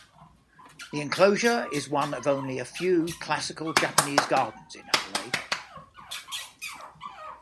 The enclosure is one of only a few classical Japanese gardens in Adelaide.